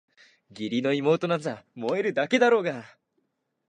義理の妹なんざ萌えるだけだろうがあ！